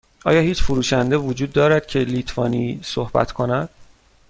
آیا هیچ فروشنده وجود دارد که لیتوانی صحبت کند؟